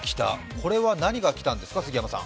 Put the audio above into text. これは何が来たんですか、杉山さん？